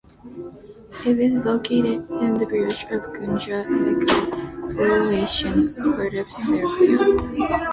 It is located in the village of Gunja in the Croatian part of Syrmia.